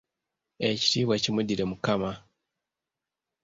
Ekitiibwa kimuddire Mukama!